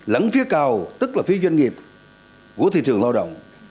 lẫn phía cao tức là phía doanh nghiệp của thị trường lao động